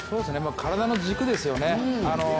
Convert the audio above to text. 体の軸ですよね。